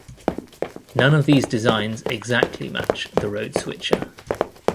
None of these designs exactly match the Road Switcher.